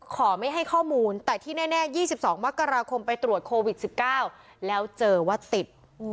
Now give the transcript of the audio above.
ขอไม่ให้ข้อมูลแต่ที่แน่๒๒มกราคมไปตรวจโควิด๑๙แล้วเจอว่าติด